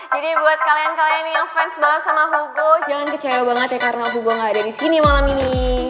buat kalian kalian yang fans banget sama hogo jangan kecewa banget ya karena aku gue gak ada di sini malam ini